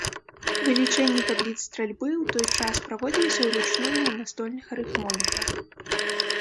Вылічэнні табліц стральбы ў той час праводзіліся ўручную на настольных арыфмометрах.